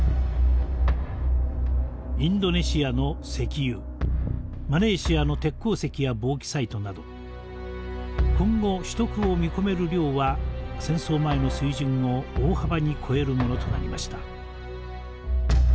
インドネシアの石油マレーシアの鉄鉱石やボーキサイトなど今後取得を見込める量は戦争前の水準を大幅に超えるものとなりました。